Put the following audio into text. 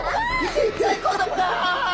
ちっちゃい子供が！